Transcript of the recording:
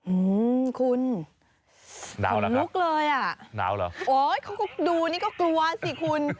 อืมคุณหนาวเหรอคะลุกเลยอ่ะหนาวเหรอโอ้ยเขาก็ดูนี่ก็กลัวสิคุณ